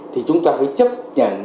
thì chúng ta phải chấp nhận